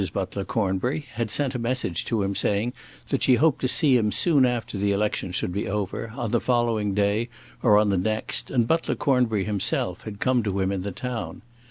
Butler Cornbury had sent a message to him saying that she hoped to see him soon after the election should be over: on the following day or on the next, and Butler Cornbury himself had come to him in the town.